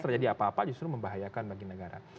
terjadi apa apa justru membahayakan bagi negara